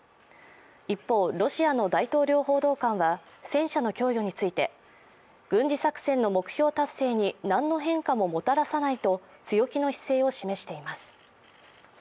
一方、ロシアの大統領報道官は戦車の供与について軍事作戦の目標達成に何の変化ももたらさないと強気の姿勢を示しています。